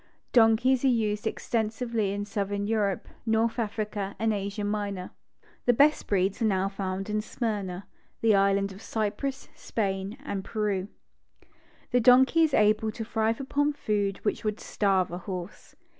Donkeys are used extensively in southern Europe, North Africa, and Asia Minor. The best breeds are now found in Smyrna, the Is lands of Cypress, Spain and Peru. The donkey is able to thrive upon food which would starve a horse.